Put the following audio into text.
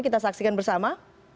kita saksikan bersama